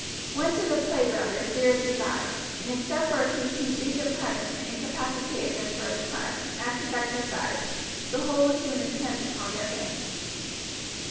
Once in the playground their spirits revived, and except a few whose recent punishment incapacitated them for a time from active exercise, the whole were soon intent upon their games.